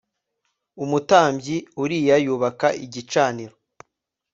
umutambyi uriya yubaka igicaniro